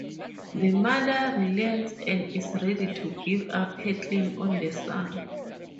The mother relents and is ready to give up her claim on the son.